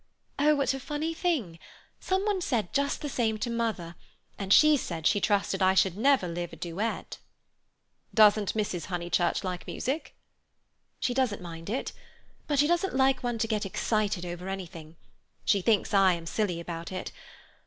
"Oh, what a funny thing! Some one said just the same to mother, and she said she trusted I should never live a duet." "Doesn't Mrs. Honeychurch like music?" "She doesn't mind it. But she doesn't like one to get excited over anything; she thinks I am silly about it.